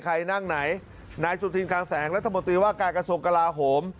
ใครนั่งไหนนายสุธินคลังแสงรัฐมนตรีว่าการกระทรวงกลาโหม